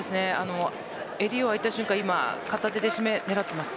襟を、開いた瞬間片手で狙っています。